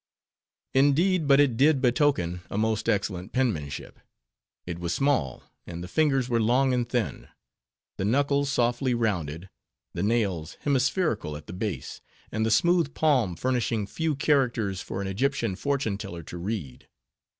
Indeed, but it did betoken a most excellent penmanship. It was small; and the fingers were long and thin; the knuckles softly rounded; the nails hemispherical at the base; and the smooth palm furnishing few characters for an Egyptian fortune teller to read.